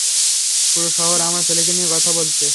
পুরো শহর আমার ছেলেকে নিয়ে কথা বলছে।